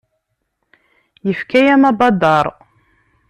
Yefka-yam abadaṛ.